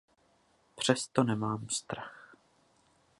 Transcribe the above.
Přesto nemám strach.